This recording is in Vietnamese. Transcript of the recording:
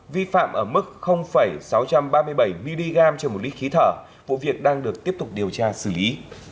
vi phạm ở mức sáu trăm ba mươi bảy mg trên một lít khí thở vụ việc đang được tiếp tục điều tra xử lý